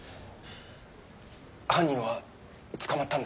犯人は捕まったんですか？